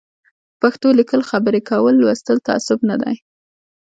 په پښتو لیکل خبري کول لوستل تعصب نه دی